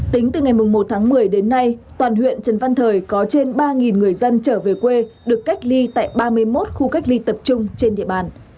tính từ ngày một tháng một mươi đến nay toàn huyện trần văn thời có trên ba người dân trở về quê được cách ly tại ba mươi một khu cách ly tập trung trên địa bàn